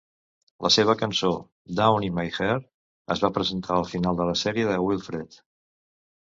La seva cançó "Down in My Heart" es va presentar al final de la sèrie de "Wilfred".